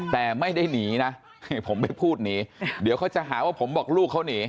แต่ไม่ได้หนีนะผมไม่พูดหนีเดี๋ยวเขาจะหาว่าผมบอกลูกเขาหนี